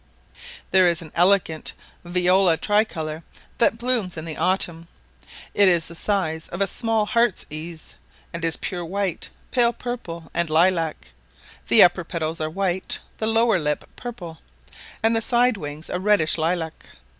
There is an elegant viola tricolor, that blooms in the autumn; it is the size of a small heart's ease, and is pure white, pale purple, and lilac; the upper petals are white, the lower lip purple, and the side wings a reddish lilac.